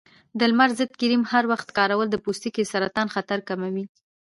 د لمر ضد کریم هر وخت کارول د پوستکي د سرطان خطر کموي.